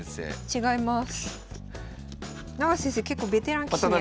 違います。